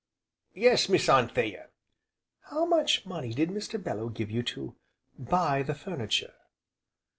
"Yes, Miss Anthea." "How much money did Mr. Bellew give you to buy the furniture?"